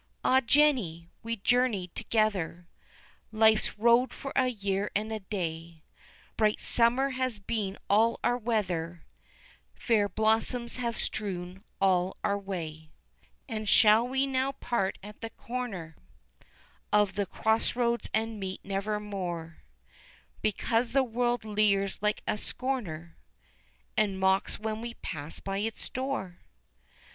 Ah! Jenny! we journeyed together Life's road for a year and a day, Bright summer has been all our weather, Fair blossoms have strewn all our way; And shall we now part at the corner Of the cross roads and meet nevermore, Because the world leers like a scorner And mocks when we pass by its door?